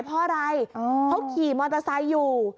เพราะอะไรเขาขี่มอเตอร์ไซค์อยู่